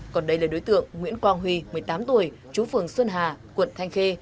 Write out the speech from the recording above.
còn đây là đối tượng nguyễn quang huy một mươi tám tuổi chú phường xuân hà quận thanh khê